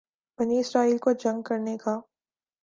بنی اسرائیل کو جنگ کرنے کا